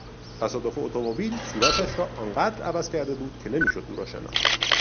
تصادف اتومبیل صورتش را آنقدر عوض کرده بود که نمیشد او را شناخت.